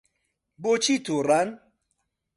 بۆچی تووڕەن؟